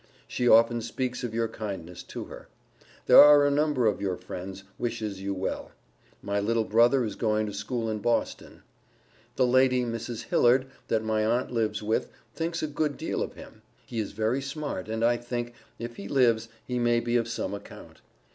She often speaks of your kindness to her. There are a number of your friends wishes you well. My little brother is going to school in Boston. The lady, Mrs. Hillard, that my Aunt lives with, thinks a good deal of him. He is very smart and I think, if he lives, he may be of some account.